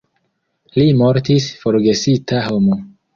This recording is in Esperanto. Li mortis forgesita homo.